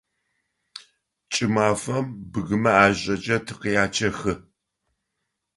КӀымафэм бгымэ ӀажэкӀэ тыкъячъэхы.